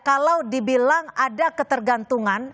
kalau dibilang ada ketergantungan